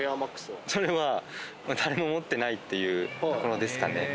それは誰も持っていないっていうところですかね。